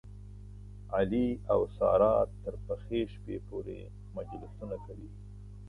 علي او ساره تر پخې شپې پورې مجلسونه کوي.